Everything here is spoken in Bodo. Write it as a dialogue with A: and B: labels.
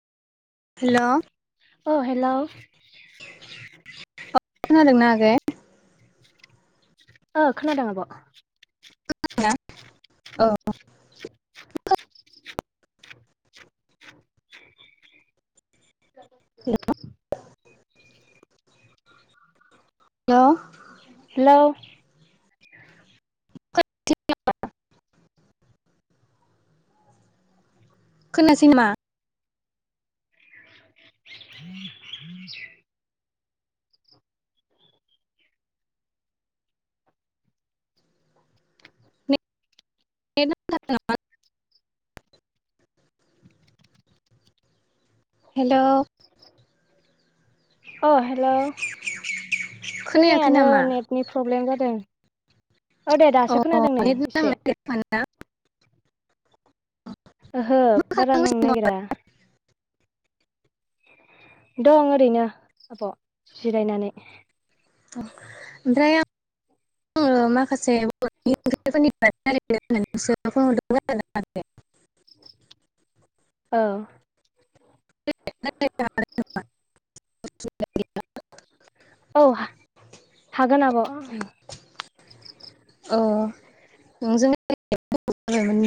A: हेल'
B: अ हेल'
A: खोनादोंना आगै?
B: औ खोनादों आब'
A: खोनादोंना औ हेल' हेल'
B: हेल'
A: [unintelligible] खोनासै नामा? [unintelligible] हेल'
B: अ हेलौ
A: खोनायाखै
B: खोनायानो
A: नामा
B: नेटनि प्रब्लेम जादों औ दे
A: अ
B: दासो खोनादों नै
A: नेट नांनो
B: एसे
A: नागिरखा ना मा
B: ओहो बारा नांनो
A: खालामगासिनो
B: नागिरा दं ओरैनो आब' जिरायनानै
A: ओमफ्राय आङो माखासे बर'नि ओंफोरनि थाखाय रायदों होननानै नोंसोरो फन हरदोंमोन आरो [unintelligible]
B: औ
A: [unintelligible]
B: औ हा-हागोन आब'
A: अ नोंजों [unintelligible]